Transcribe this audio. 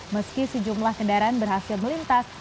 meski sejumlah kendaraan berhasil melintas